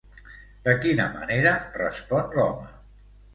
De quina manera respon l'home?